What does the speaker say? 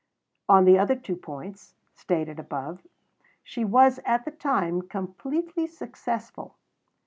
On the other two points, stated above, she was at the time completely successful.